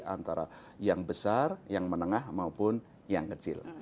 antara yang besar yang menengah maupun yang kecil